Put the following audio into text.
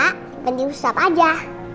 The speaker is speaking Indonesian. dia diusap aja